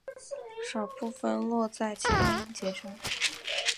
少部分落在其它音节上。